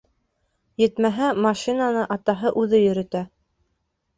Етмәһә, машинаны атаһы үҙе йөрөтә.